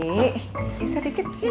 ibu mau duduk ya